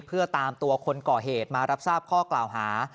เพื่อตามตัวคนก่อเหตุมารับทราบข้อกล่าวหา